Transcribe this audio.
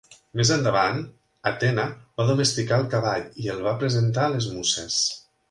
Més endavant, Atena va domesticar el cavall i el va presentar a les muses.